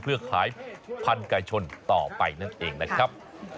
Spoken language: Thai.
เพื่อขายพันธุ์ไก่ชนต่อไปนั่นเองนะครับ